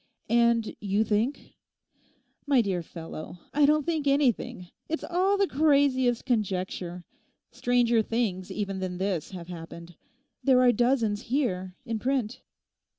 And you think?' 'My dear fellow, I don't think anything. It's all the craziest conjecture. Stranger things even than this have happened. There are dozens here—in print.